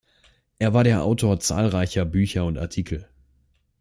Er war der Autor zahlreicher Bücher und Artikel.